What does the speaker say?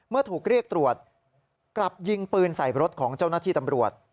เมื่อถูกเรียกตรวจกลับยิงปืนใส่รถของเจ้าหน้าที่ตำรวจ